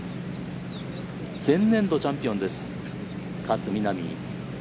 前年度チャンピオンです。